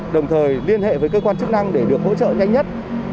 đồng thời liên hệ với cơ quan chức năng để được hỗ trợ nhanh nhất